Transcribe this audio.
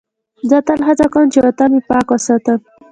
زه تل هڅه کوم چې وطن مې پاک وساتم.